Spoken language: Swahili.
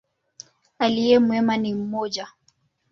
Aliye mwema ni mmoja.